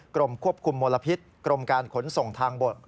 กรมควบคุมมลพิษกรมการขนส่งทางบก